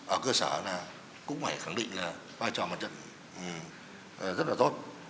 ở cơ sở này cũng phải khẳng định là vai trò mặt trận rất là tốt